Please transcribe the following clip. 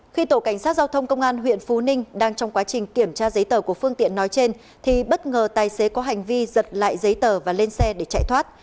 khi tổ cảnh sát giao thông công an huyện phú ninh đang trong quá trình kiểm tra giấy tờ của phương tiện nói trên thì bất ngờ tài xế có hành vi giật lại giấy tờ và lên xe để chạy thoát